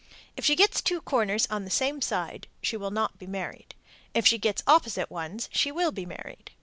If she gets two corners on the same side, she will not be married. If she gets opposite ones, she will be married.